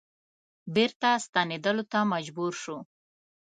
بیرته ستنیدلو ته مجبور شو.